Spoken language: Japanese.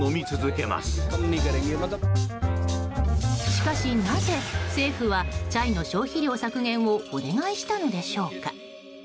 しかし、なぜ政府はチャイの消費量削減をお願いしたのでしょうか。